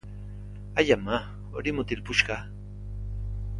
Ai ama, hori mutil puska!